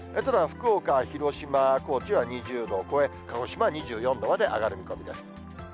ただ、福岡、広島、高知は２０度を超え、鹿児島は２４度まで上がる見込みです。